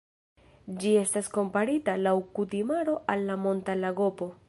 Ĝi estis komparita laŭ kutimaro al la Monta lagopo.